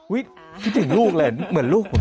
คิดถึงลูกเลยเหมือนลูกผม